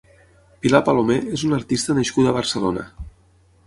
Pilar Palomer és una artista nascuda a Barcelona.